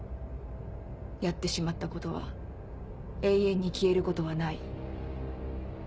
やってしまったことは永遠に消えることはない。